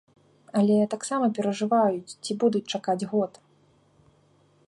Але таксама перажываюць, ці будуць чакаць год.